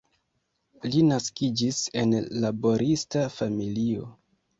Li naskiĝis en laborista familio.